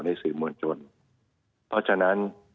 สื่อมวลชนเพราะฉะนั้น